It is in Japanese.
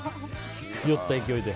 酔った勢いで。